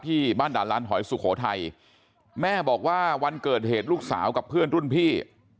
บ้านด่านลานหอยสุโขทัยแม่บอกว่าวันเกิดเหตุลูกสาวกับเพื่อนรุ่นพี่